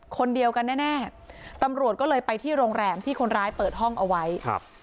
คนเดียวกันแน่แน่ตำรวจก็เลยไปที่โรงแรมที่คนร้ายเปิดห้องเอาไว้ครับ